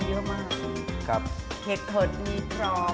เพราะฉะนั้นถ้าใครอยากทานเปรี้ยวเหมือนโป้แตก